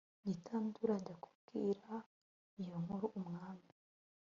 gitandura ajya kubwira iyo nkuru umwami